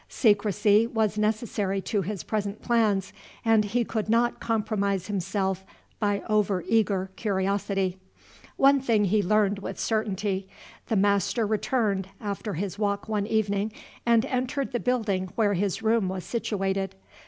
Secrecy was necessary to his present plans, and he could not compromise himself by over eager curiosity. One thing he learned with certainty. The master returned, after his walk one evening, and entered the building where his room was situated.